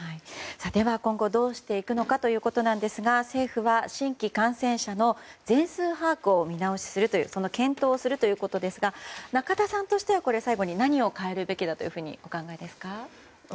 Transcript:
では今後どうしていくのかということなんですが政府は新規感染者の全数把握を見直しするその検討をするということですが仲田さんとしてはこれ、最後に何を変えるべきとお考えですか。